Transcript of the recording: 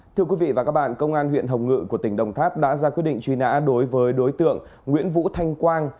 thưa quý vị và các bạn công an huyện hồng ngự của tỉnh đồng tháp đã ra quyết định truy nã đối với đối tượng nguyễn vũ thanh quang